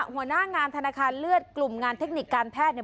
หัวหน้างานธนาคารเลือดกลุ่มงานเทคนิคการแพทย์เนี่ย